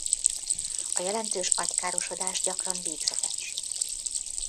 A jelentős agykárosodás gyakran végzetes.